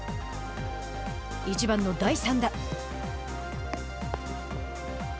１番の第３打。